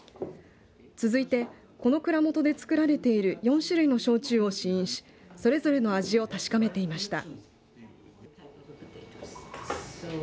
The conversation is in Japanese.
続いて、この蔵元で作られている４種類の焼酎を試飲しそれぞれの味を確かめていました。